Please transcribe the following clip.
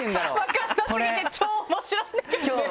分かんなすぎて超面白いんだけど。